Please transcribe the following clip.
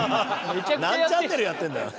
「何チャンネルやってんだよ」